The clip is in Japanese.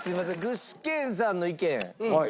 具志堅さんの意見。